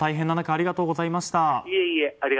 ありがとうございます。